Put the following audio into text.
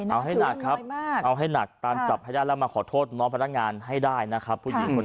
เอาให้หนักตามจับให้ได้แล้วมาขอโทษพน้องพนักงานให้ได้นะครับ